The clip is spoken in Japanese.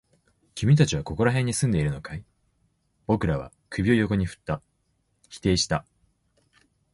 君たちはここら辺に住んでいるのかい？僕らは首を横に振った。否定した。